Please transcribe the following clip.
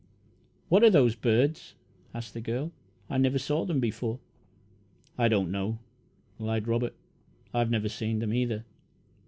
"What are those birds?" asked the girl. "I never saw them before." "I do not know," lied Robert. "I have never seen them, either."